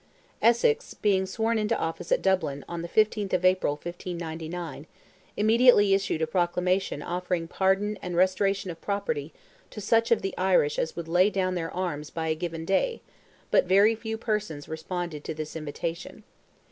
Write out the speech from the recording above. Essex, on being sworn into office at Dublin, on the 15th of April, 1599, immediately issued a proclamation offering pardon and restoration of property to such of the Irish as would lay down their arms by a given day, but very few persons responded to this invitation.